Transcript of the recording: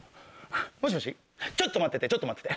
もしもしちょっと待っててちょっと待ってて！